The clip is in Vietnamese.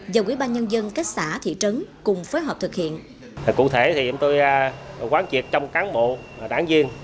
và quỹ ban nhân dân các xã